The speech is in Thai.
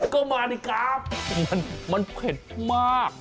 ก็มาดีครับมันเผ็ดมาก